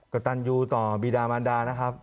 กระตันยูต่อบีดามันดานะครับ